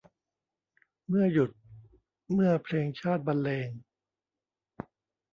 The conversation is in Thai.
เมื่อหยุด เมื่อเพลงชาติบรรเลง